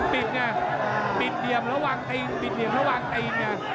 ปิดเดี่ยมระหว่างตีนปิดเดี่ยมระหว่างตีน